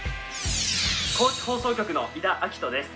高知放送局の伊田晃都です。